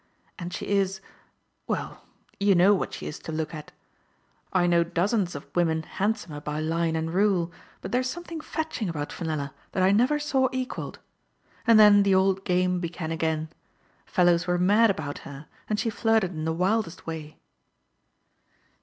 And she is — well, you know what she is to look at. I know dozens of women handsomer by line and rule. But there's something fetching about Fenella that I never saw equaled. And then the old game be gan again. Fellows were mad about her, and she flirted in the wildest way."